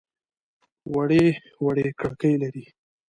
وړې وړې کړکۍ لري.